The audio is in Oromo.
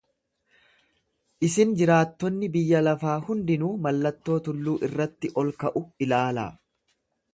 Isin jiraattonni biyya lafaa hundinuu mallattoo tulluu irratti ol ka'u ilaalaa.